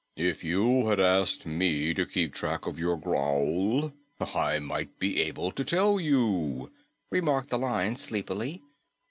"If you had asked me to keep track of your growl, I might be able to tell you," remarked the Lion sleepily.